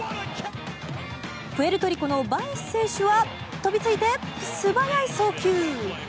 プエルトリコのバエス選手は飛びついて、素早い送球！